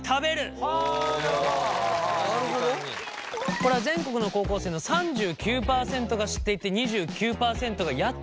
これは全国の高校生の３９％が知っていて２９％がやったことがある